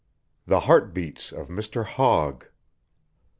THE HEARTBEATS OF MR. HOGG.